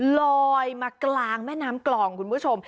ลอยมากลางแม่น้ำกลองคุณผู้ชม